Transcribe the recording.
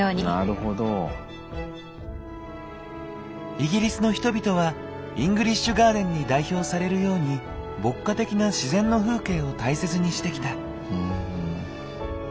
イギリスの人々はイングリッシュガーデンに代表されるように牧歌的な自然の風景を大切にしてきた。